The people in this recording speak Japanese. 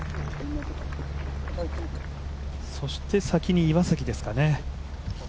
そして先に岩崎ですかね。